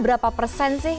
berapa persen sih